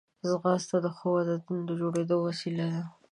ځغاسته د ښو عادتونو د جوړېدو وسیله ده